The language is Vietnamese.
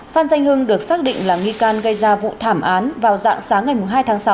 phan danh hưng được xác định là nghi can gây ra vụ thảm án vào dạng sáng ngày hai tháng sáu